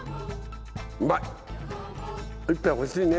うまい！